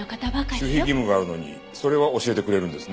守秘義務があるのにそれは教えてくれるんですね。